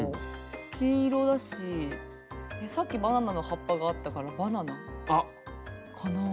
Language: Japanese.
黄色だしさっきバナナの葉っぱがあったからバナナかなあ？